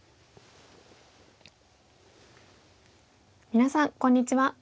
皆さんこんにちは。